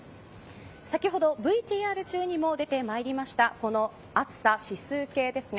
先ほどＶＴＲ中にも出てまいりましたこの暑さ指数計ですね。